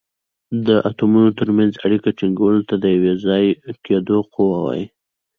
د اتومونو تر منځ اړیکې ټینګولو ته د یو ځای کیدو قوه وايي.